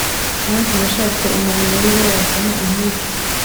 Kandi nashatse umuntu muri bo wasana inkike,